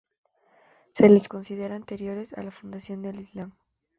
Se los considera anteriores a la fundación del islam.